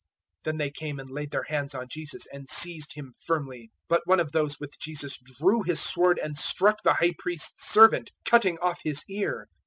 Then they came and laid their hands on Jesus and seized Him firmly. 026:051 But one of those with Jesus drew his sword and struck the High Priest's servant, cutting off his ear.